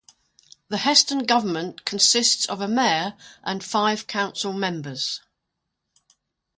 The Hesston government consists of a mayor and five council members.